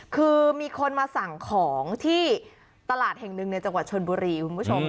คือมีคนมาสั่งของที่ตลาดแห่งหนึ่งในจังหวัดชนบุรีคุณผู้ชม